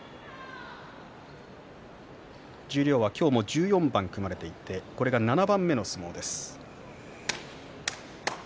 十両は今日も１４番組まれていて、これが７番目の相撲です。